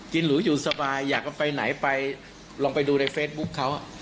หรูอยู่สบายอยากจะไปไหนไปลองไปดูในเฟซบุ๊คเขา